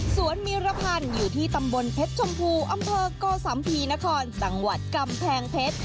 มิรพันธ์อยู่ที่ตำบลเพชรชมพูอำเภอโกสัมภีนครจังหวัดกำแพงเพชร